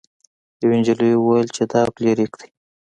یوې جینۍ وویل چې دا فلیریک دی.